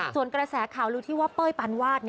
ส่วนกระแสข่าวลือที่ว่าเป้ยปานวาด